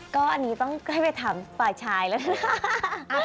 ก็อันนี้ต้องให้ไปถามฝ่ายชายแล้วล่ะ